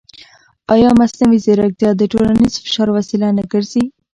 ایا مصنوعي ځیرکتیا د ټولنیز فشار وسیله نه ګرځي؟